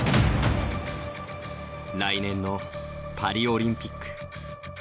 来年のパリオリンピック。